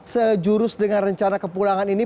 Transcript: sejurus dengan rencana kepulangan ini